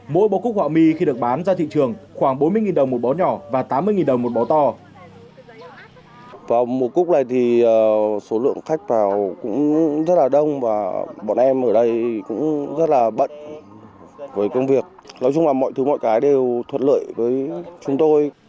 mỗi bộ cúc họa mi khi được bán ra thị trường khoảng bốn mươi đồng một bó nhỏ và tám mươi đồng một bó